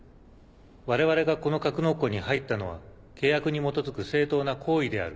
我々がこの格納庫に入ったのは契約に基づく正当な行為である。